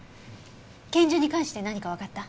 拳銃に関して何かわかった？